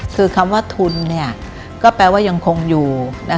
คือคำว่าทุนก็แปลว่ายังคงอยู่